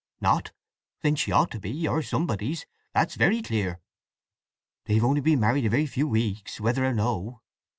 "Not? Then she ought to be, or somebody's—that's very clear!" "They've only been married a very few weeks, whether or no."